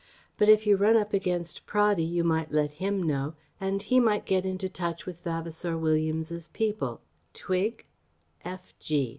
But if you run up against Praddy you might let him know and he might get into touch with Vavasour Williams's people twig?